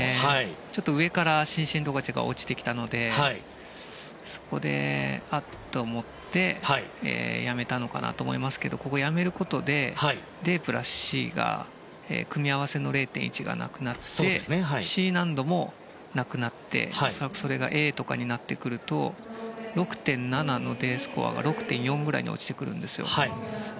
ちょっと上から伸身トカチェフは落ちてきたのでそこで、あっと思ってやめたのかなと思いますがやめることで、ＤプラスＣが組み合わせの０．１がなくなってＣ難度もなくなってそれがＡとかになってくると６．７のＤスコアが６．４ぐらいに落ちてくるんですよ。